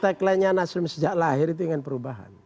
tagline nya nasdem sejak lahir itu ingin perubahan